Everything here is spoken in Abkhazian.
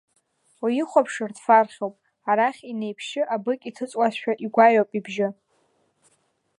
Уихәаԥшыр дфархьуп, арахь инеиԥшьы абыкь иҭыҵуашәа игәаҩоуп ибжьы!